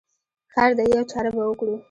خیر دی یوه چاره به وکړو.